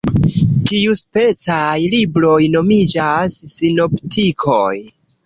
Tiuspecaj libroj nomiĝas sinoptikoj.